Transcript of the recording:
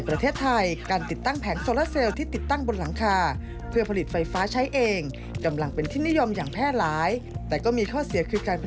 ประธานเจ้าหน้าที่บริหารบริษัทปรัทธทอเปิดเผยว่า